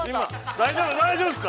大丈夫ですか。